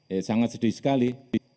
ya sangat sedih sekali